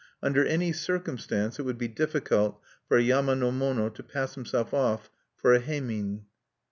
Under any circumstance it would be difficult for a yama no mono to pass himself off for a heimin.